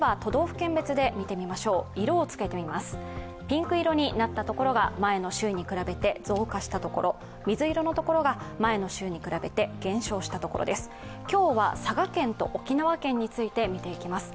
ピンク色になったところが前の週に比べて増加したところ、水色のところが前の週に比べて減少したところです。